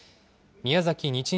宮崎日日